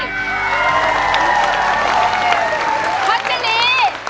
เพราะที่นี้